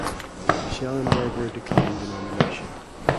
Shellenberger declined the nomination.